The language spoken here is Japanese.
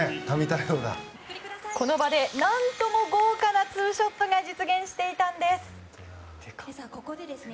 この場で何とも豪華なツーショットが実現していたんです。